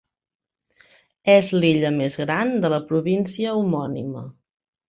És l'illa més gran de la província homònima.